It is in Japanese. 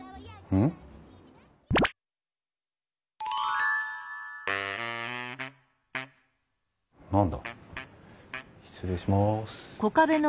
うん？何だ？